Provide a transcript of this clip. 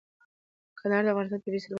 کندهار د افغانستان طبعي ثروت دی.